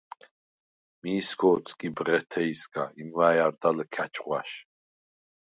მიი სგო̄თსკი ბღეთეჲსგა, იმვა̈ჲ არდა ლჷქა̈ჩ ღვაშ.